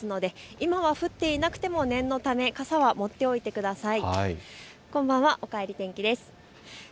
今は降っていなくても念のため傘は持っておいてください。